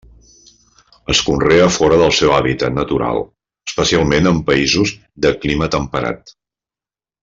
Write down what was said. Es conrea fora del seu hàbitat natural, especialment en països de clima temperat.